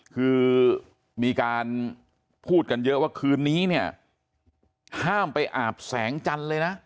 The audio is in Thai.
คือมีการพูดกันเยอะว่าคืนนี้เนี่ยห้ามไปอาบแสงจันทร์เลยนะ